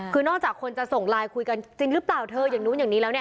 คือนอกจากคนจะส่งไลน์คุยกันจริงหรือเปล่าแบบนี้